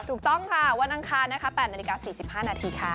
ถูกต้องค่ะวันอังคารนะคะ๘นาฬิกา๔๕นาทีค่ะ